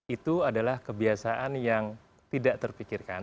itu adalah kebiasaan yang tidak terpikirkan